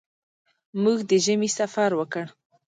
موږ د ژمي سفر وکړ.